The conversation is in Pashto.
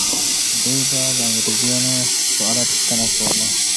دوی به د انګریزانو په اړه پوښتنه کوله.